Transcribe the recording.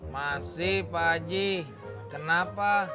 masih pak haji kenapa